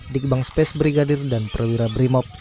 digbang space brigadir dan perwira brimob